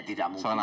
ya tidak mutlak